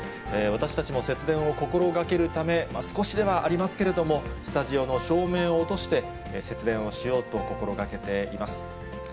私たちも節電を心がけるため、少しではありますけれども、スタジオの照明を落として、節電をしようと心がけています。